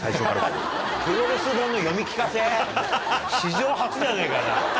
史上初じゃねえかな。